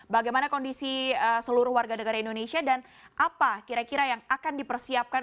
bagaimana kondisi seluruh warga negara indonesia dan apa kira kira yang akan dipersiapkan